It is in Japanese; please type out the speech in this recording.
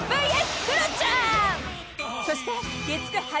［そして］